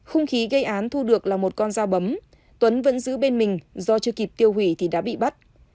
hung khí gây án thu được là một con dao bấm tuấn vẫn giữ bên mình do chưa kịp tiêu hủy thì đã bị bắt